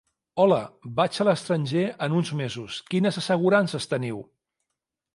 Hola, vaig a l'estranger en uns mesos, quines assegurances teniu?